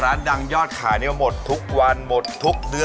ร้านดังยอดขายหมดทุกวันหมดทุกเดือน